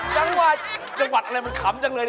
จังหวัดจังหวัดอะไรมันขำจังเลย